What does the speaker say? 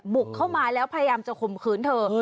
บุกเข้ามาแล้วพยายามจะข่มขืนเธอ